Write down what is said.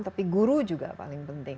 tapi guru juga paling penting